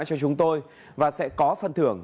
cho chúng tôi và sẽ có phần thưởng